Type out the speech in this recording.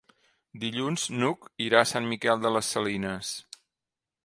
Dilluns n'Hug irà a Sant Miquel de les Salines.